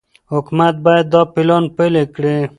حکومت باید دا پلان پلي کړي.